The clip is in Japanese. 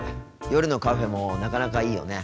夜のカフェもなかなかいいよね。